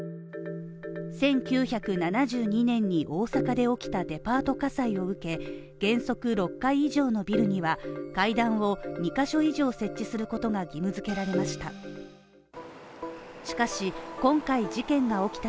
１９７２年に大阪で起きたデパート火災を受け、原則６階以上のビルには階段を２ヶ所以上設置することが義務付けられました。